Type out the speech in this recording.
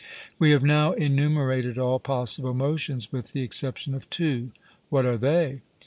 We have now enumerated all possible motions with the exception of two. 'What are they?'